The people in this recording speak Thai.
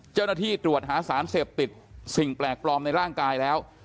เจ้าหน้าที่ตรวจหาสารเสพติดสิ่งแปลกปลอมในร่างกายแล้ว